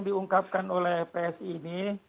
diungkapkan oleh psi ini